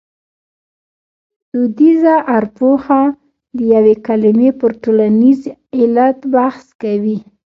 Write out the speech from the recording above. دودیزه ارپوهه د یوې کلمې پر ټولنیز علت بحث کوي